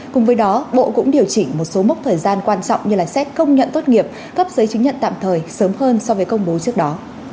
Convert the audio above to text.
cùng với đó bộ cũng điều chỉnh một số mốc thời gian quan trọng như xét công nhận tốt nghiệp cấp giấy chứng nhận tạm thời sớm hơn so với công bố trước đó